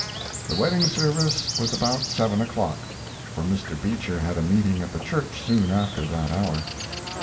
The wedding service was about seven o'clock, for Mr. Beecher had a meeting at the church soon after that hour.